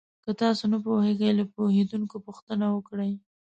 که تاسو نه پوهېږئ، له پوهېدونکو پوښتنه وکړئ.